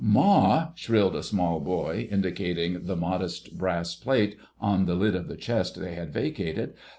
"Ma!" shrilled a small boy, indicating the modest brass plate on the lid of the chest they had vacated.